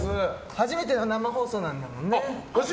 初めての生放送なんだもんね。